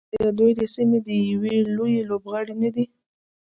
آیا دوی د سیمې یو لوی لوبغاړی نه دی؟